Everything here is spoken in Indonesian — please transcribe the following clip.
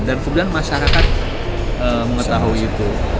dan kemudian masyarakat mengetahui itu